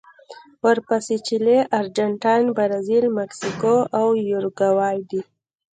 ورپسې چیلي، ارجنټاین، برازیل، مکسیکو او یوروګوای دي.